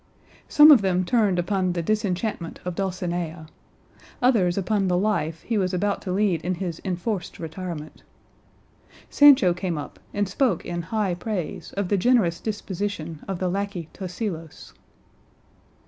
Some of them turned upon the disenchantment of Dulcinea, others upon the life he was about to lead in his enforced retirement. Sancho came up and spoke in high praise of the generous disposition of the lacquey Tosilos.